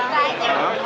masih luar biasa